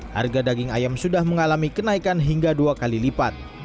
harga daging ayam sudah mengalami kenaikan hingga dua kali lipat